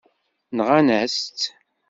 Nɣan-as-tt.